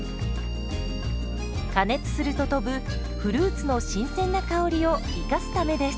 加熱すると飛ぶフルーツの新鮮な香りを生かすためです。